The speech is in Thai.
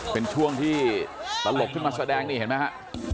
เป็นช่วงที่ตลกขึ้นมาแสดงนี่เห็นไหมฮะ